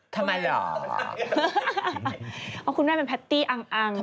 คุณใส่อะไรอยู่งงงกับคุณที่ตรงนี้